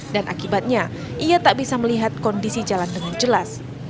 dan akibatnya ia tak bisa melihat kondisi jalan dengan jelas